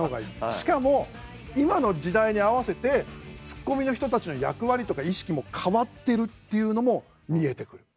しかも今の時代に合わせてツッコミの人たちの役割とか意識も変わってるっていうのも見えてくる。